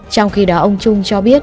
trong khi đó ông trung cho biết